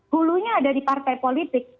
hulunya ada di partai politik